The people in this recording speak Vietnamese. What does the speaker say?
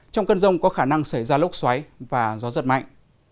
trong cơn rông có khả năng xảy ra lốc xoáy và gió giật mạnh